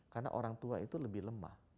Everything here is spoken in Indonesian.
karena orang tua itu lebih lemah